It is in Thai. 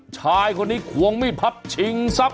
ชายคนนี้ควงไม่พับชิงซับ